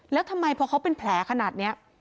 แล้วทำไมพอเขาเป็นแผลขนาดนี้